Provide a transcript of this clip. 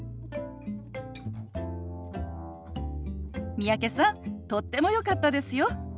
三宅さんとってもよかったですよ。